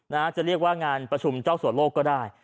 จะเรียกว่างานประชุมเจ้าสัวโลกก็ได้